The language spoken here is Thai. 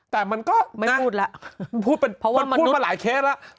แต่มันก็ไม่น่าพูดแล้วพูดเป็นเพราะว่ามันพูดมาหลายเคสแล้ว